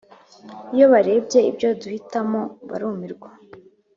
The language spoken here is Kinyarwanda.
iyo barebye ibyo duhitamo barumirwa.